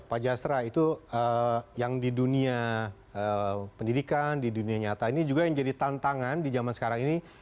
pak jasra itu yang di dunia pendidikan di dunia nyata ini juga yang jadi tantangan di zaman sekarang ini